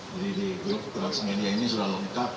jadi di grup transmedia ini sudah lengkap